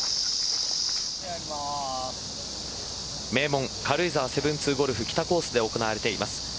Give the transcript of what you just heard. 名門、軽井沢７２ゴルフ北コースで行われています。